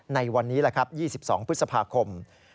ในวันนี้แหละครับ๒๒พฤษภาคม